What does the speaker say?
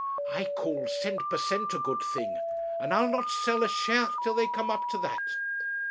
'I call cent per cent a good thing, and I'll not sell a share till they come up to that.'